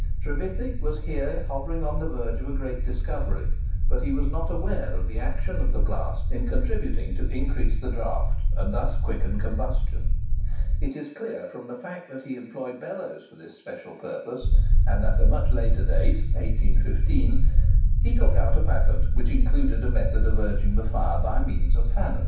Trevithick was here hovering on the verge of a great discovery; but that he was not aware of the action of the blast in contributing to increase the draught and thus quicken combustion, is clear from the fact that he employed bellows for this special purpose; and at a much later date (1815) he took out a patent which included a method of urging the fire by means of fanners.